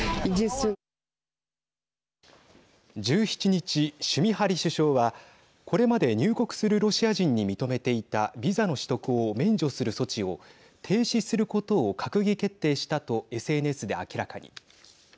１７日、シュミハリ首相はこれまで入国するロシア人に認めていたビザの取得を免除する措置を停止することを閣議決定したとＳＮＳで明らかに。